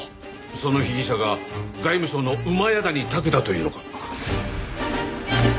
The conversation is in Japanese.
その被疑者が外務省の谷琢だというのか？